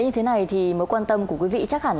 như thế này thì mối quan tâm của quý vị chắc hẳn